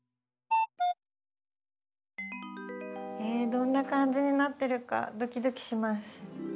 えどんな感じになってるかドキドキします。